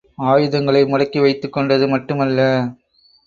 ஆயுதங்களை முடக்கி வைத்துக் கொண்டது மட்டுமல்ல.